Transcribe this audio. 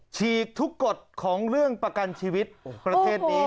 ฉีกทุกกฎของเรื่องประกันชีวิตประเทศนี้